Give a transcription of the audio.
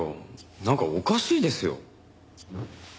なんかおかしいですよ。